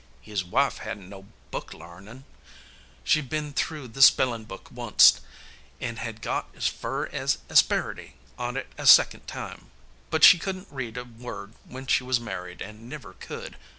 "His wife hadn't no book larnin'. She'd been through the spellin' book wunst, and had got as fur as 'asperity' on it a second time. But she couldn't read a word when she was married, and never could.